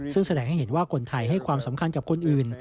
ซึ่งแสดงให้เห็นว่าคนไทยให้ความสำคัญกับคนอื่น